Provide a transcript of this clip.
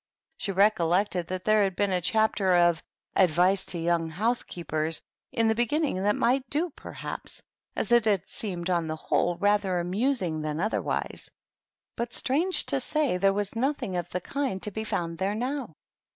She recollected that there had been a chapter of ^^ Advice to Young Housekeepers^^ in the beginning that might do perhaps, as it had seemed on the whole rather amusing than otherwise. But, strange to say, there was nothing of the kind to be found there now.